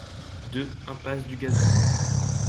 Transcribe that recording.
deux impasse du Gazon